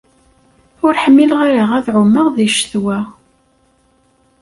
Ur ḥmileɣ ara ad ɛummeɣ di ccetwa.